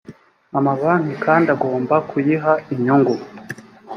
amabanki kandi agomba kuyiha inyungu